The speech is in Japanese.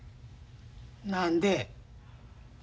何で？